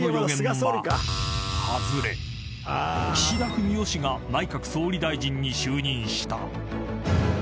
［岸田文雄氏が内閣総理大臣に就任した］